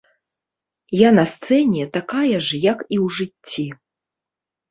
Я на сцэне такая ж, як і ў жыцці.